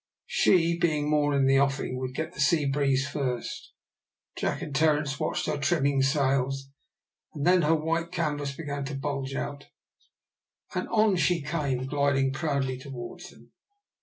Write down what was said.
She being more in the offing, would get the sea breeze first. Jack and Terence watched her trimming sails, and then her white canvas began to bulge out, and on she came gliding proudly towards them.